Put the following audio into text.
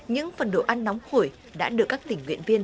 những phần đồ ăn nóng khổi đã được các tình nguyện viên